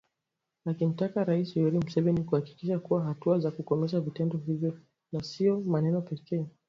akimtaka Raisi Yoweri Museveni kuhakikisha kuna hatua za kukomesha vitendo hivyo na sio maneno pekee